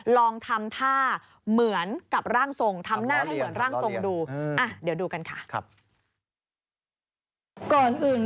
ลองทำท่าเหมือนกับร่างทรง